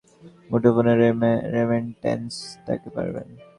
এতে প্রবাসী বাংলাদেশিরা দেশে তাঁদের স্বজনকে সরাসরি মুঠোফোনে রেমিট্যান্স পাঠাতে পারবেন।